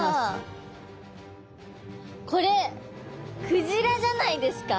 これクジラじゃないですか？